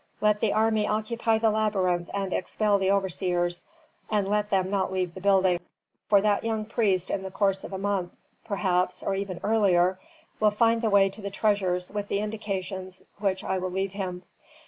Let the army occupy the labyrinth and expel the overseers, and let them not leave the building, for that young priest in the course of a month, perhaps, or even earlier, will find the way to the treasures with the indications which I will leave him.